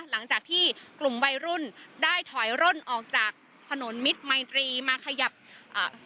หลังจากที่กลุ่มวัยรุ่นได้ถอยร่นออกจากถนนมิตรมัยตรีมาขยับอ่า